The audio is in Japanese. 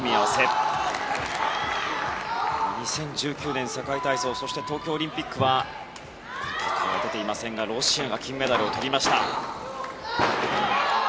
２０１９年世界体操そして東京オリンピックは今大会は出ていませんがロシアが金メダルをとりました。